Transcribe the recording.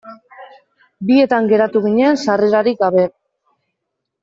Bietan geratu ginen sarrerarik gabe.